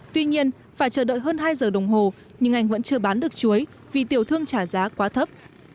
tuy nhiên phải chờ đợi hơn hai giờ đồng hồ nhưng anh vẫn chưa bán được chuối vì tiểu thương trả giá quá thấp